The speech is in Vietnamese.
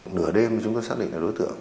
nửa đêm chúng tôi xác định là đối tượng